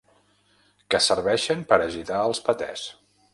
Que serveixen per agitar els patès.